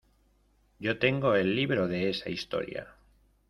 yo tengo el libro de esa Historia.